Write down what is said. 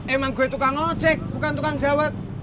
emang gue tukang ojek bukan tukang jawet